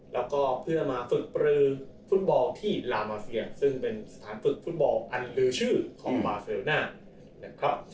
แล้วก็เพื่อมาฝึกปลือฟุตบอลที่ลามาเซียซึ่งเป็นสถานฝึกฟุตบอลอันตือชื่อของบาเซลน่านะครับ